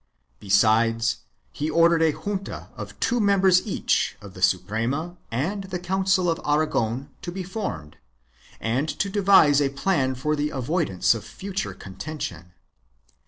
Besides, he ordered a junta of two members each of the Suprema and the Council of Aragon to be formed and to devise a plan for the avoidance of future contention.